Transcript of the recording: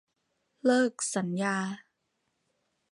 เลิกสัญญา